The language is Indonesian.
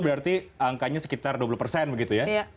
berarti angkanya sekitar dua puluh persen